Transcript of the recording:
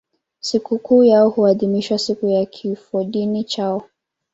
Sikukuu yao huadhimishwa siku ya kifodini chao.